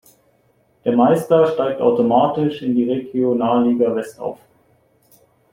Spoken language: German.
Der Meister steigt automatisch in die Regionalliga West auf.